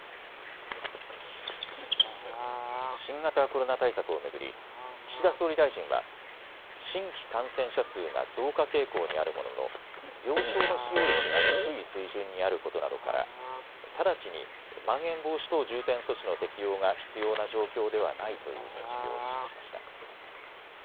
新型コロナ対策を巡り岸田総理大臣は新規感染者数が増加傾向にあるものの病床の使用率が低い水準にあることなどから直ちにまん延防止等重点措置の適用が必要な状況ではないという認識を示しました。